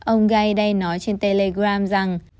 ông gaidai nói trên telegram rằng